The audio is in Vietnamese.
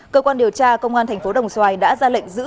cơ quan điều tra công an thành phố đồng xoài đã ra lệnh giữ